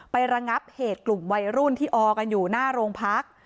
ระงับเหตุกลุ่มวัยรุ่นที่ออกันอยู่หน้าโรงพัก